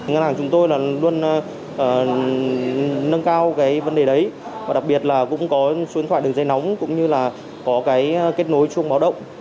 ngân hàng chúng tôi luôn nâng cao vấn đề đấy đặc biệt là cũng có xuyên thoại đường dây nóng cũng như là có kết nối chuông báo động